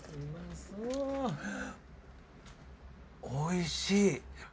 おいしい。